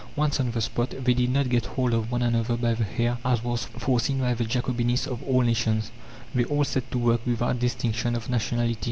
Once on the spot, they did not get hold of one another by the hair as was foreseen by the Jacobinists of all nations; they all set to work without distinction of nationality.